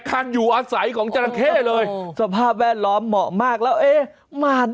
ปลาดุกตอดขาก็ใจสั่นแล้วครับ